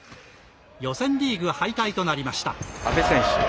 予選リーグ敗退となりました。